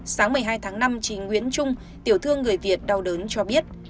sáng một mươi hai tháng năm chị nguyễn trung tiểu thương người việt đau đớn cho biết